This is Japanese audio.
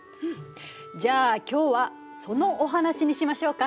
じゃあ今日はそのお話にしましょうか。